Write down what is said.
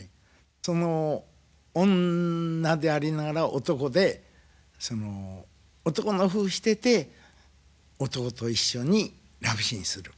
その女でありながら男でその男のふうしてて男と一緒にラブシーンする。